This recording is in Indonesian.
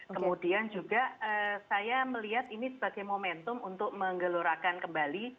kemudian juga saya melihat ini sebagai momentum untuk menggelorakan kembali